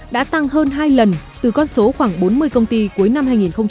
đã tăng hơn hai lần từ con số khoảng bốn mươi công ty cuối năm hai nghìn một mươi tám